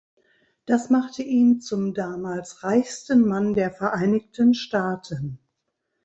Das machte ihn zum damals reichsten Mann der Vereinigten Staaten.